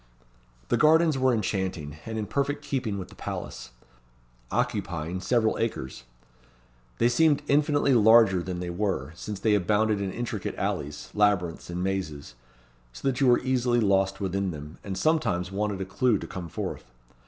The gardens were enchanting, and in perfect keeping with the palace. Occupying several acres. They seemed infinitely larger than they were, since they abounded in intricate alleys, labyrinths, and mazes; so that you were easily lost within them, and sometimes wanted a clue to come forth.